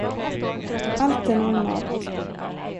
Allt är normalt.